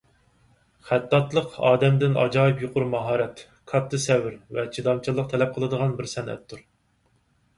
خەتتاتلىق ئادەمدىن ئاجايىپ يۇقىرى ماھارەت، كاتتا سەۋر ۋە چىدامچانلىق تەلەپ قىلىدىغان بىر سەنئەتتۇر.